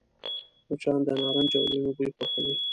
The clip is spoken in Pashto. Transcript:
مچان د نارنج او لیمو بوی خوښوي